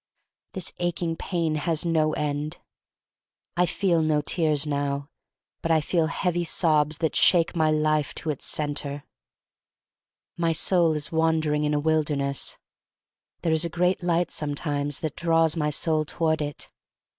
This aching pain has no end. I feel no tears now, but I feel heavy sobs that shake my life to its center. THE STORY OF MARY MAC LANE 1 59 My soul is wandering in a wilderness. There is a great light sometimes that draws my soul toward it.